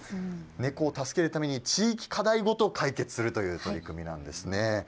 猫を助けるために地域課題ごと解決するという取り組みなんですね。